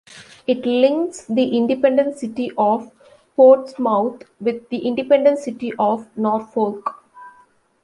It links the independent City of Portsmouth with the independent City of Norfolk.